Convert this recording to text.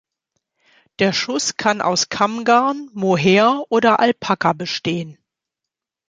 Der Schuss kann aus Kammgarn, Mohair oder Alpaka bestehen.